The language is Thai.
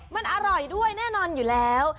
มันอร่อยด้วยแน่นอนอยู่แล้ว